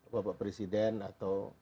bapak presiden atau